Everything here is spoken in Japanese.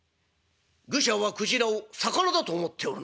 「愚者はくじらを魚だと思っておるのか？」。